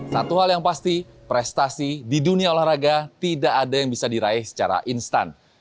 satu hal yang pasti prestasi di dunia olahraga tidak ada yang bisa diraih secara instan